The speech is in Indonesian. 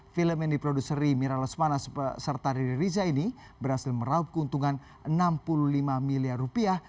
film yang diproduseri mira lesmana serta riri riza ini berhasil meraup keuntungan enam puluh lima miliar rupiah